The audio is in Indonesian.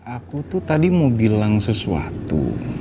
aku tuh tadi mau bilang sesuatu